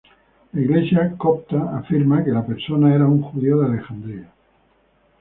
La Iglesia copta afirma que la persona era un judío de Alejandría.